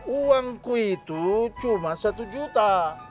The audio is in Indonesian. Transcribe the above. uangku itu cuma satu juta